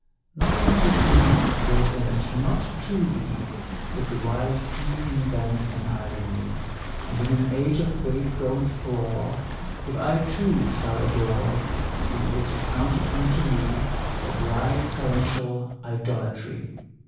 Not unto thee, great Image, not to thee Did the wise heathen bend an idle knee; And in an age of faith grown frore If I too shall adore, Be it accounted unto me, A bright sciential idolatry!